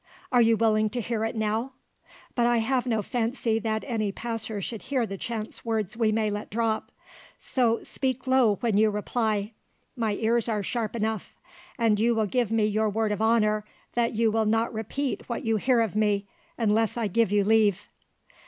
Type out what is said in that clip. Are you willing to hear it now? But I have no fancy that any passer should hear the chance words we may let drop: so speak low when you reply my ears are sharp enough; and you will give me your word of honour that you will not repeat what you hear of me, unless I give you leave."